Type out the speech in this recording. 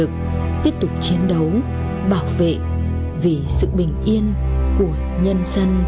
của nhân sân